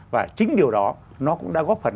và chính điều đó nó cũng đã góp phần